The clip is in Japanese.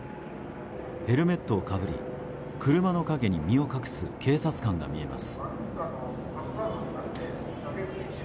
ヘルメットをかぶり車の陰に身を隠す警察官が見えます。